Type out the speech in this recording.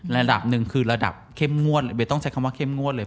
ระดับหนึ่งคือระดับเข้มงวดไม่ต้องใช้คำว่าเข้มงวดเลย